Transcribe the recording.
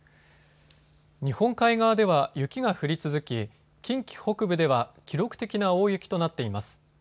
日本海側では雪が降り続き近畿北部では記録的な大雪となっています。